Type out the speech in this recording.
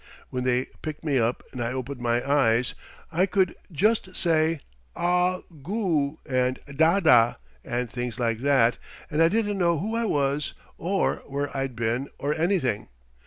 When they picked me up and I opened my eyes I could just say 'Ah goo' and 'Da da' and things like that, and I didn't know who I was or where I'd been or anything.